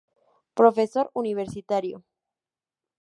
Profesor universitario.